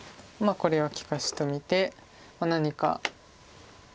これは利かしと見て何か。